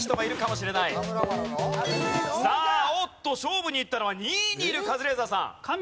さあおっと勝負にいったのは２位にいるカズレーザーさん。